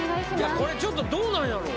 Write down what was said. これちょっとどうなんやろう？